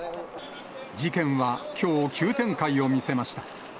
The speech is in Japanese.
事件はきょう、急展開を見せました。